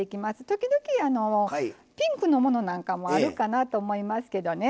時々ピンクのものなんかもあるかなと思いますけどね